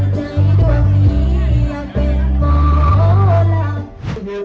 กบบนพลเพื่อนวัยสกรรมนะคะ